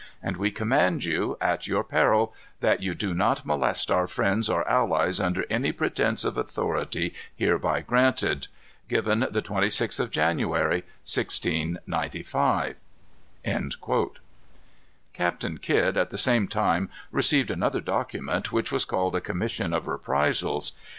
And we command you, at your peril, that you do not molest our friends or allies under any pretence of authority hereby granted. Given the 26th of January, 1695." Captain Kidd at the same time received another document, which was called a commission of reprisals.